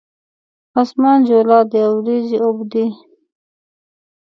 اسمان جولا دی اوریځې اوبدي